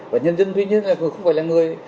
và nhân dân tuy nhiên là cũng không phải là người